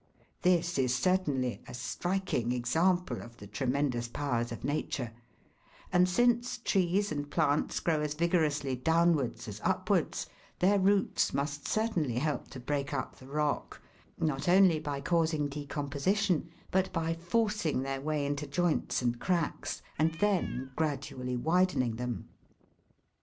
This is certainly "a striking example of the tremendous powers of Nature ;" and since trees and plants grow as vigorously downwards as upwards, their roots must certainly help to break up the rock, not only by causing decomposition, but by forcing their way into joints and cracks and then gradually widening them.